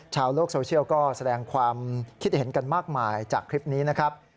ชาวโลกโซเชียลก็แสดงความคิดเห็นกันมากมายจากคลิปนี้นะครับ